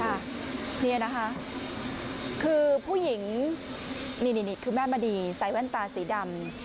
นี่นะคะคือผู้หญิงนี่คือแม่มณีใส่แว่นตาสีดำ